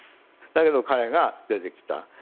だけど、彼が出てきた。